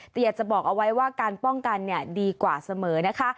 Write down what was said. แต่อยากจะบอกเอาไว้ว่าการป้องกันดีกว่าเสมอนะคะ